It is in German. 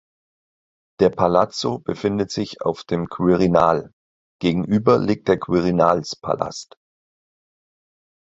Der Palazzo befindet sich auf dem Quirinal, gegenüber liegt der Quirinalspalast.